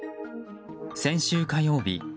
先週火曜日